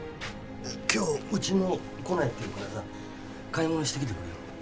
今日うちの来ないっていうからさ買い物してきてくれよ